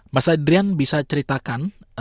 mas adrian bisa ceritakan